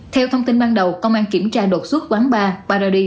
theo thông tin ban đầu công an kiểm tra đột xuất